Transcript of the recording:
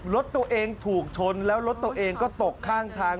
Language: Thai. รถตัวเองถูกชนแล้วรถตัวเองก็ตกข้างทาง